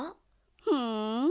ふん。